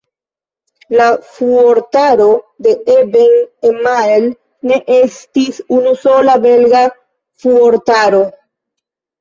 La fuortaro de Eben-Emael ne estis unusola belga fuortaro.